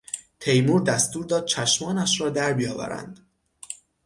تیمور دستور داد چشمانش را در بیاورند.